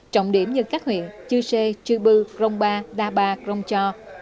trọng điểm như các huyện chư sê chư bư grông ba đa ba grông cho